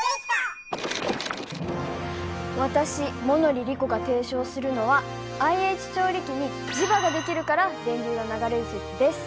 私物理リコが提唱するのはＩＨ調理器に磁場ができるから電流が流れる説です。